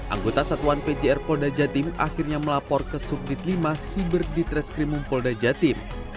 anggota satuan pjr polda jatim akhirnya melapor ke subdit lima siber di treskrimum polda jatim